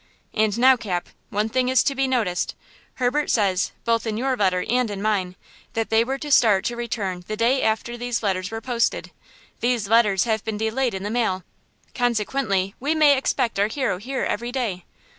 "And now, Cap, one thing is to be noticed. Herbert says, both in your letter and in mine, that they were to start to return the day after these letters were posted. These letters have been delayed in the mail. Consequently we may expect our hero here every day.